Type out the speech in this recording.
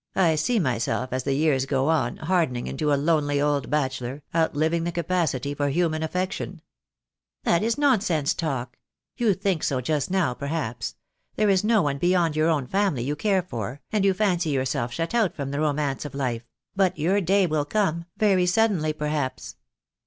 "I see myself, as the years go on, hardening into a lonely old bachelor, out living the capacity for human affection." "That is nonsense talk. You think so just now, per haps. There is no one beyond your own family you care for, and you fancy yourself shut out from the romance of life — but your day will come, very suddenly, perhaps.